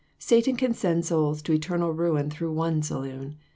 Satan can send souls to eternal ruin through one saloon.